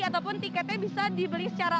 ataupun tiketnya bisa dibeli secara